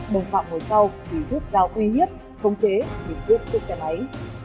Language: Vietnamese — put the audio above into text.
bồng phạm ngồi sau vì rút rào uy hiếp không chế để rút chiếc xe máy